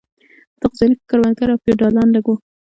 په دغو ځایو کې کروندګر او فیوډالان لږ وو.